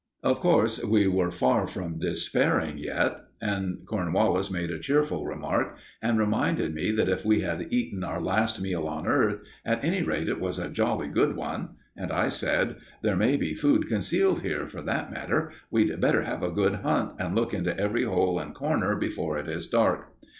Of course, we were far from despairing yet, and Cornwallis made a cheerful remark, and reminded me that if we had eaten our last meal on earth, at any rate it was a jolly good one. And I said: "There may be food concealed here, for that matter. We'd better have a good hunt, and look into every hole and corner before it is dark."